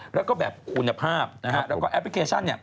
แล้วก็แบบคุณภาพนะฮะแล้วก็แอปพลิเคชัน